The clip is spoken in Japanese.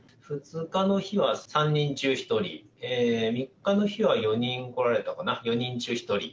２日の日は３人中１人、３日の日は４人来られたかな、４人中１人。